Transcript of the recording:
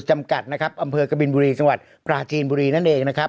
จำกัดนะครับอำเภอกบินบุรีจังหวัดปราจีนบุรีนั่นเองนะครับ